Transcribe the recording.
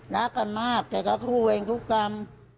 รักกันมากแต่ก็สู้เองทุกกรรม